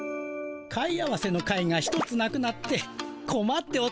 貝合わせの貝が１つなくなってこまっておったのじゃ。